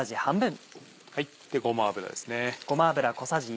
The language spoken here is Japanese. ごま油ですね。